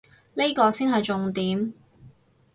呢個先係重點